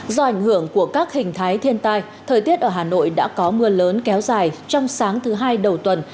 do ảnh hưởng của các hình thái thiên tai thời tiết ở hà nội đã có mưa lớn kéo dài trong sáng thứ hai đầu tuần